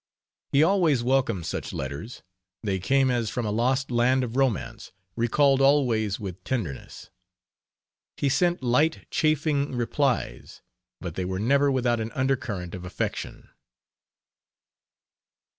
He always welcomed such letters they came as from a lost land of romance, recalled always with tenderness. He sent light, chaffing replies, but they were never without an undercurrent of affection.